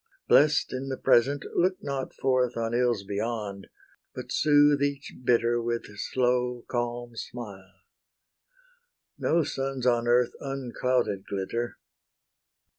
Blest in the present, look not forth On ills beyond, but soothe each bitter With slow, calm smile. No suns on earth Unclouded glitter.